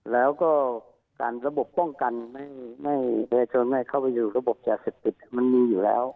แล้วก็การระบบป้องกันไม่ให้ประชาชนไม่เข้าไปอยู่ระบบยาเสพติดมันมีอยู่แล้ว